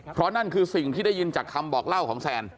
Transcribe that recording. เพราะนั่นคือสิ่งที่ได้ยินจากคำบอกเล่าของแซน